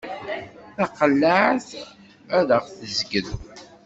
Taqellaɛt ad aɣ-tezgel.